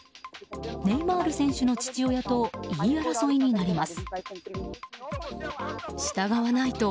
ネイマール選手の父親と言い争いになります。